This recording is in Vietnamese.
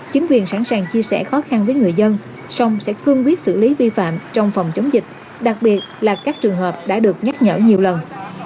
chính quyền sẵn sàng chia sẻ khó khăn với người dân song sẽ cương quyết xử lý vi phạm trong phòng chống dịch đặc biệt là các trường hợp đã được nhắc nhở nhiều lần